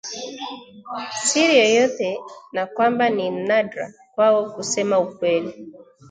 siri yoyote na kwamba ni nadra kwao kusema ukweli